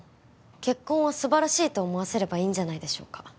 結婚は素晴らしいと思わせればいいんじゃないでしょうか